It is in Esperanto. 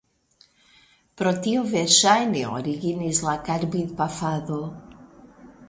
Pro tio verŝajne originis la karbidpafado.